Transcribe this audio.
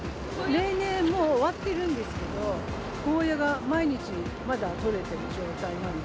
例年、もう終わってるんですけど、ゴーヤが毎日まだ取れてる状態なんで。